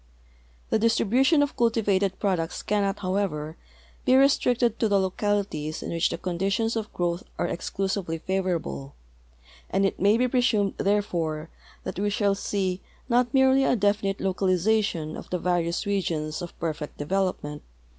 The distribution of cultivated products cannot, however, be restricted to the localities in which the conditions of growth are exclusively favorable, and it maybe presumed therefore that we shall see not merely a definite localization of the various regions of perfect develojmient, l.)